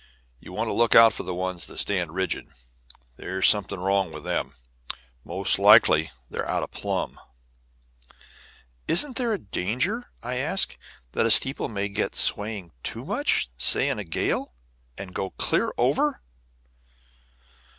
You want to look out for the ones that stand rigid; there's something wrong with them most likely they're out of plumb." "Isn't there danger," I asked, "that a steeple may get swaying too much, say in a gale, and go clear over?"